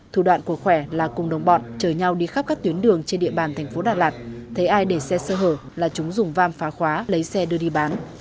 thủ đoạn của khỏe là cùng đồng bọn chờ nhau đi khắp các tuyến đường trên địa bàn thành phố đà lạt thấy ai để xe sơ hở là chúng dùng vam phá khóa lấy xe đưa đi bán